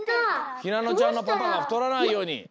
ひなのちゃんのパパが太らないように。